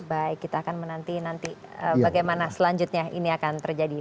baik kita akan menanti nanti bagaimana selanjutnya ini akan terjadi